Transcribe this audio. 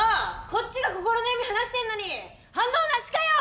こっちが心の闇話してんのに反応なしかよ！